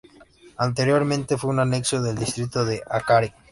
Anteriormente fue un anexo del distrito de Acarí.